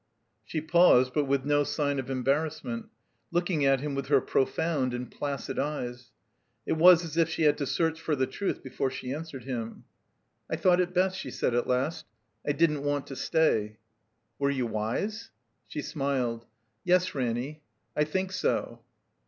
She paused, but with no sign of embarrassment; looking at him with her profoimd and placid eyes. It was as if she had to search for the truth before she answered him. 2IO THE COMBINED MAZE *'I thought it best," she said at last. "I didn't want to stay." "Were you wise?" She smiled. "Yes, Ranny. I think so."